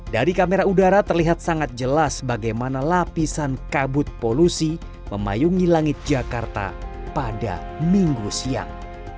dari kamera udara terlihat sangat jelas bagaimana lapisan kabut polusi memayungi langit jakarta pada minggu siang